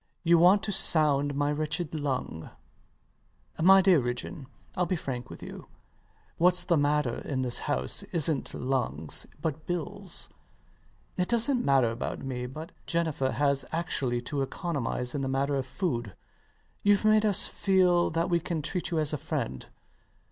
You want to sound my wretched lung. [With impulsive candor] My dear Ridgeon: I'll be frank with you. Whats the matter in this house isnt lungs but bills. It doesnt matter about me; but Jennifer has actually to economize in the matter of food. Youve made us feel that we can treat you as a friend.